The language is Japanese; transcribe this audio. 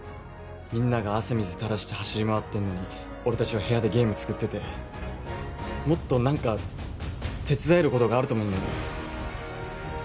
みんなが汗水たらして走り回ってんのに俺達は部屋でゲーム作っててもっと何か手伝えることがあると思うんだよね